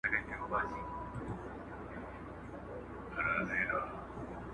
ګراني افغاني زما خوږې خورکۍ٫